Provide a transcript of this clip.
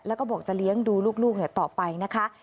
แล้วก็บอกจะเลี้ยงดูลูกต่อไปนะคะ